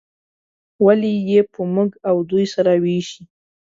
ولې یې په موږ او دوی سره ویشي.